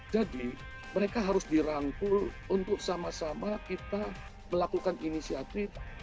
jadi mereka harus dirangkul untuk sama sama kita melakukan inisiatif